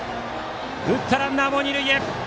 打ったランナーも二塁へ。